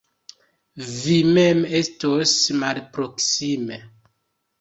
Vi mem estos malproksime.